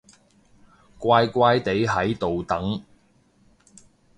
乖乖哋喺度等